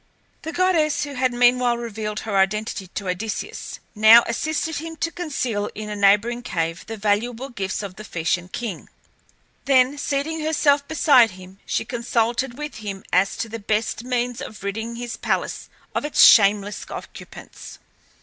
The goddess, who had meanwhile revealed her identity to Odysseus, now assisted him to conceal in a neighbouring cave the valuable gifts of the Phaeacian king. Then seating herself beside him she consulted with him as to the best means of ridding his palace of its shameless occupants.